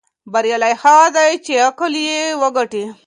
بریالی هغه دی چې عقل یې وګټي.